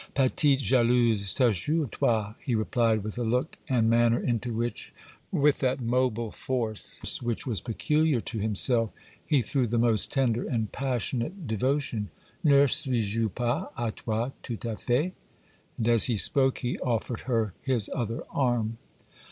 'Petite jalouse, t'assure toi,' he replied, with a look and manner into which, with that mobile force which was peculiar to himself, he threw the most tender and passionate devotion. 'Ne suis je pas à toi tout à fait?' and as he spoke he offered her his other arm.